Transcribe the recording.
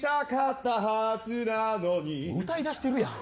歌いだしてるやん。